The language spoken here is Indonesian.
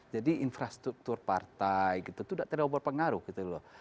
jadi infrastruktur partai gitu tidak terlalu berpengaruh gitu loh